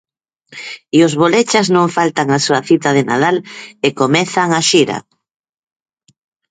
E Os Bolechas non faltan á súa cita de Nadal e comezan a xira.